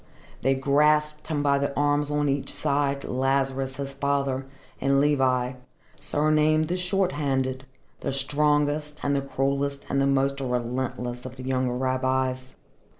They grasped him by the arms on each side, Lazarus his father, and Levi, surnamed the Short handed, the strongest and the cruellest and the most relentless of the younger rabbis.